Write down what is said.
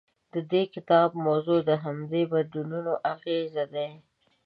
د دې کتاب موضوع د همدې بدلونونو اغېز دی.